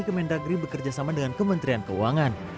kemendagri bekerjasama dengan kementerian keuangan